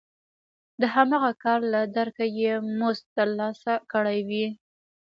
د هماغه کار له درکه یې مزد ترلاسه کړی وي